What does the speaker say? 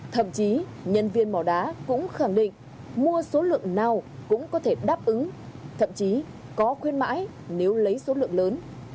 thậm chí nhân viên mỏ đá cũng khẳng định mua số lượng nào cũng có thể đáp ứng thậm chí có khuyên mãi nếu lấy số lượng lớn